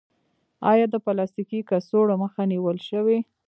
آیا د پلاستیکي کڅوړو مخه نیول شوې؟